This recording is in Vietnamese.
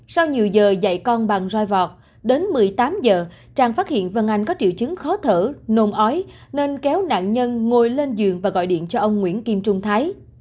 sau nhiều giờ dạy con bằng roi vọt đến một mươi tám giờ trang phát hiện vân anh có triệu chứng khó thở nồn ói nên kéo nạn nhân ngồi lên giường và gọi điện cho ông nguyễn kim trung thái